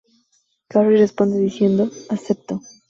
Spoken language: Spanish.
Carrie responde diciendo: "acepto".